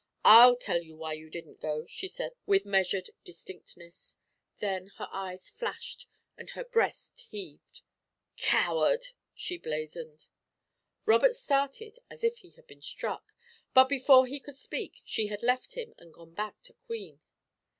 "I'll tell you why you didn't go," she said, with measured distinctness. Then her eyes flashed and her breast heaved. "Coward!" she blazed. Robert started as if he had been struck, but before he could speak, she had left him and gone back to Queen.